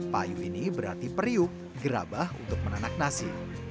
payu ini berarti periuk gerabah untuk menanak nasi